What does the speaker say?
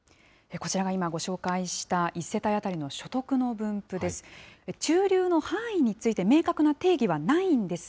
こちらが今、ご紹介した１世帯当たりの所得の分布です。